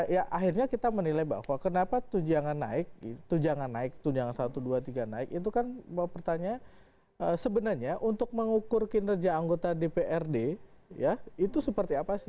ya akhirnya kita menilai bahwa kenapa tunjangan naik tunjangan naik tunjangan satu dua tiga naik itu kan pertanyaan sebenarnya untuk mengukur kinerja anggota dprd ya itu seperti apa sih